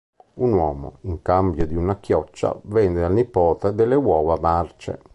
Un uomo, in cambio di una chioccia, vende al nipote delle uova marce.